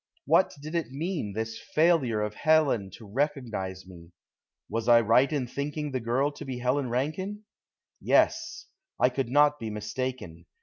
What did it mean, this failure of Helen to recognize me? Was I right in thinking the girl to be Helen Rankine. Yes; I could not be mistaken.